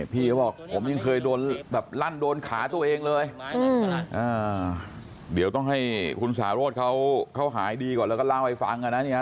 พี่เขาบอกผมยังเคยโดนแบบลั่นโดนขาตัวเองเลยเดี๋ยวต้องให้คุณสาโรธเขาหายดีก่อนแล้วก็เล่าให้ฟังนะเนี่ย